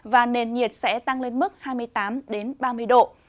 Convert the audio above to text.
và nền nhiệt sẽ tăng lên mức hai mươi tám ba mươi độ